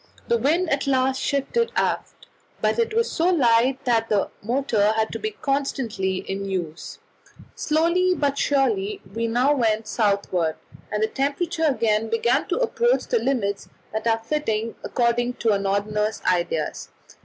The wind at last shifted aft, but it was so light that the motor had to be constantly in use. Slowly but surely we now went southward, and the temperature again began to approach the limits that are fitting according to a Northerner's ideas.